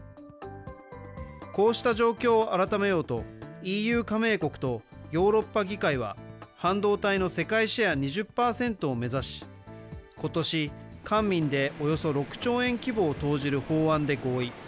こうした状況を改めようと、ＥＵ加盟国とヨーロッパ議会は半導体の世界シェア２０％を目指し、ことし、官民でおよそ６兆円規模を投じる法案で合意。